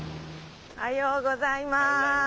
おはようございます！